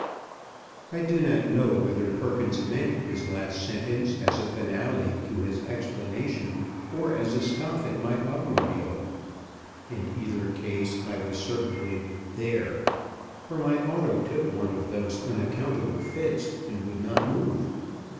I do not know whether Perkins meant his last sentence as a finale to his explanation or as a scoff at my automobile. In either case I was certainly "there," for my auto took one of those unaccountable fits, and would not move.